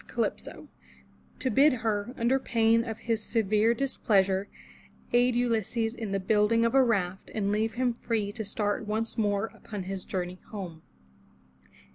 Calypso, to bid her, under pain of his severe displeasure, aid Ulysses in the building of a raft, and leave him free to start once more upon his journey home.